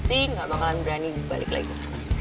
pasti gak bakalan berani dibalik lagi sama dia